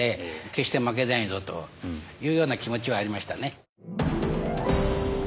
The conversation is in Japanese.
決して負けないぞというような気持ちはありましたね。